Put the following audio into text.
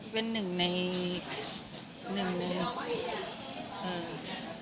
เป็นหนึ่งในสำหรับคุณพ่อครับ